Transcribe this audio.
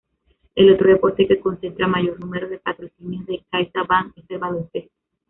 El otro deporte que concentra mayor número de patrocinios de CaixaBank es el baloncesto.